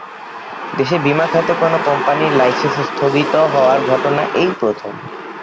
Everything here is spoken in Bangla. দেশের বিমা খাতে কোনো কোম্পানির লাইসেন্স স্থগিত হওয়ার ঘটনা এটাই প্রথম।